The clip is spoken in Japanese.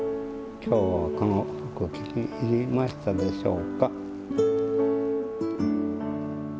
今日のこの服は気に入りましたでしょうか？